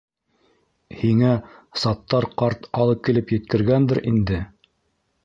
— Һиңә Саттар ҡарт алып килеп еткергәндер инде.